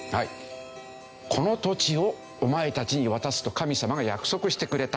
この土地をお前たちに渡すと神様が約束してくれた。